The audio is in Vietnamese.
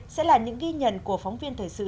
sẽ là những ghi nhận của phóng viên thời sự